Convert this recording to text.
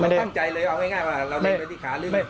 มันตั้งใจเลยเอาง่ายว่าเราเล่นไปที่ขาหรือไม่